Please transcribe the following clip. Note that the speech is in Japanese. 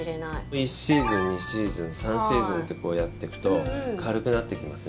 １シーズン２シーズン、３シーズンとやっていくと軽くなってきますね。